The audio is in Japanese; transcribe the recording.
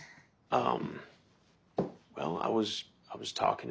ああ。